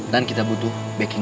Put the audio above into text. dan kita butuh backing an